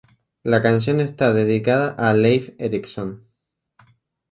La canción está dedicada a Leif Erikson.